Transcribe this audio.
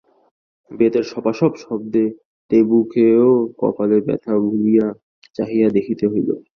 বেতের সপাসপ শব্দে টেবুকেও কপালের ব্যথা ভুলিয়া চাহিয়া দেখিতে হইল।